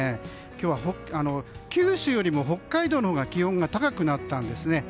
今日は九州よりも北海道のほうが気温が高くなったんですね。